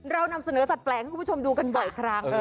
เรานำเสนอสัตวแปลกให้คุณผู้ชมดูกันบ่อยครั้ง